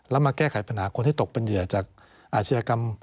แล้วมาแก้ไขปัญหาคนที่ตกเป็นเหยื่อจากอาชญากรรม